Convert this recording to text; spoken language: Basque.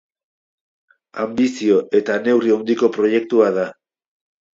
Anbizio eta neurri handiko proiektua da.